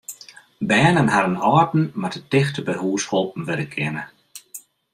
Bern en harren âlden moatte tichteby hús holpen wurde kinne.